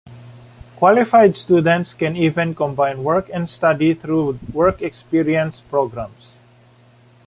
Qualified students can even combine work and study through work experience programs.